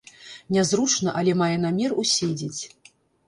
Нязручна, але мае намер уседзець.